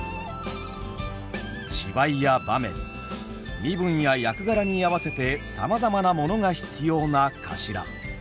芝居や場面身分や役柄に合わせてさまざまなものが必要なかしら。